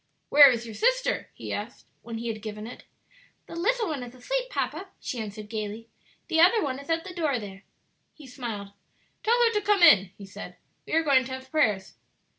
"Where is your sister?" he asked when he had given it. "The little one is asleep, papa," she answered gayly; "the other one is at the door there." He smiled. "Tell her to come in," he said; "we are going to have prayers."